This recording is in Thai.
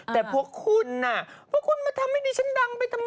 แต่พวกคุณมาทำให้ดิฉันดังไปทำไม